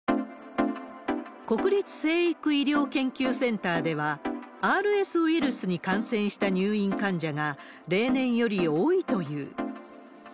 国立成育医療研究センターでは、ＲＳウイルスに感染した入院患者が、例年より多いという。